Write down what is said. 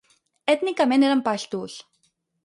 Ètnicament eren paixtus.